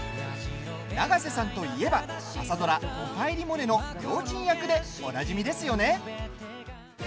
永瀬さんといえば朝ドラ「おかえりモネ」のりょーちん役でおなじみですよね。